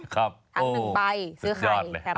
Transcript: ครับโอ้สุดยอดเลย